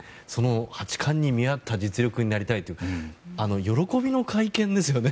八冠に見合った実力になりたいという喜びもの会見ですよね？